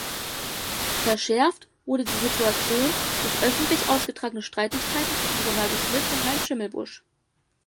Verschärft wurde die Situation durch öffentlich ausgetragene Streitigkeiten zwischen Ronaldo Schmitz und Heinz Schimmelbusch.